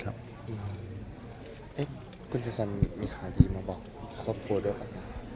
เอ๊ะคุณสุดท้ายมีข่าวดีมาบอกครอบครัวด้วยหรือเปล่า